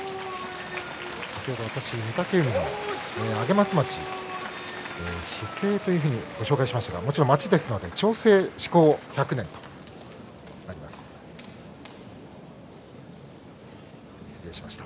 先ほど、私御嶽海の上松町市制というふうにご紹介しましたが町ですので町制施行１００年となります。